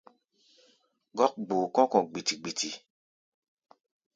Gɔ́k gboo kɔ́ kɔ̧ gbiti-gbiti.